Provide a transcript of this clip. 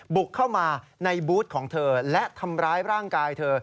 บุกเข้ามาในบูธของเธอและทำร้ายร่างกายเธอ